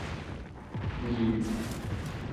海部车站与阿佐海岸铁道共用的铁路车站。